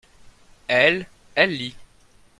elle, elle lit.